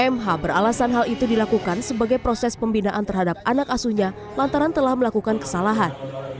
mh beralasan hal itu dilakukan sebagai proses pembinaan terhadap anak asuhnya lantaran telah melakukan kesalahan